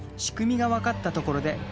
仕組みが分かったところで！